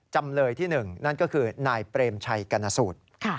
จำเลยที่๑นั่นก็คือนายเปรมชัยกรณสูตร